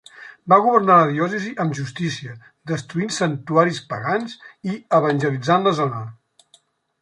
Va governar la diòcesi amb justícia, destruint santuaris pagans i evangelitzant la zona.